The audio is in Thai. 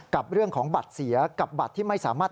กับเรื่องของบัตรเสียกับบัตรที่ไม่สามารถ